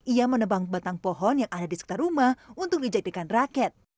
ia menebang batang pohon yang ada di sekitar rumah untuk dijadikan raket